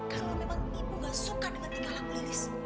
kalau memang ibu nggak suka dengan tingkah laku lilis